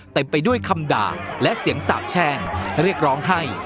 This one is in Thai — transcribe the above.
เต็มไปด้วยคำด่าและเสียงสาบแช่งเรียกร้องให้